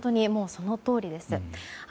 そのとおりです。